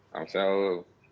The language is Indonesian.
terima kasih selalu